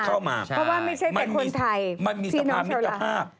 เพราะว่าไม่ใช่แต่คนไทยมีสภาพมิตรภาพ